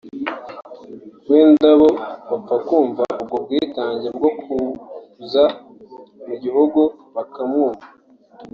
wenda bo bapfa kumva ubwo bwitange bwo kuza mu gihugu bakamwumva